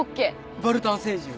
バルタン星人は？